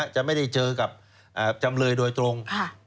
จะไม่ได้เจอกับจำเลยโดยตรง